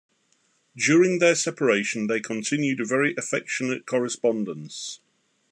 During their separation they continued a very affectionate correspondence.